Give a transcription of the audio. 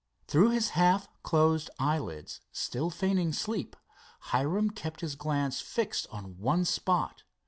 Through his half closed eyelids, still feigning sleep, Hiram kept his glance fixed on one spot.